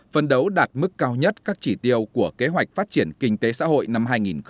phân đấu đạt mức cao nhất các chỉ tiêu của kế hoạch phát triển kinh tế xã hội năm hai nghìn hai mươi